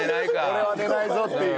俺は寝ないぞっていう。